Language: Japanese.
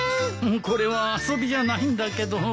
これは遊びじゃないんだけど。